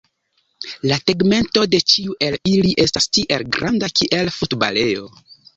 La tegmento de ĉiu el ili estas tiel granda kiel futbalejo.